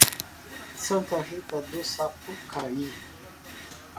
Santa Rita do Sapucaí